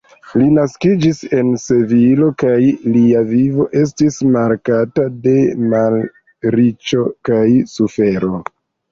Li naskiĝis en Sevilo kaj lia vivo estis markata de malriĉo kaj sufero.